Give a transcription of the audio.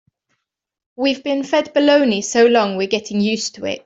We've been fed baloney so long we're getting used to it.